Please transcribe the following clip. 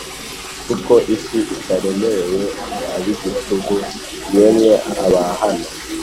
Kuko isi itaremewe ab`igitugu. Yemwe Abahano